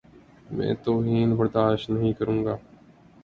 میں توہین برداشت نہیں کروں گا۔